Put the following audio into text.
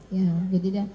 ya jadi dia